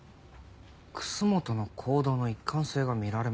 楠本の行動の一貫性が見られません。